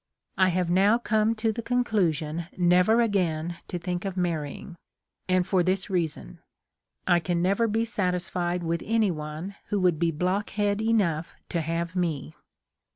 I have now come to the conclusion never again to think of marrying, and for this reason : I can never be satisfied with any one who would be blockhead enough to have me.